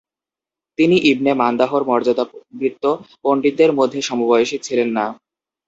তিনি ইবনে মান্দাহর মর্যাদাবৃত্ত পণ্ডিতদের মধ্যে সমবয়সী ছিলেন না।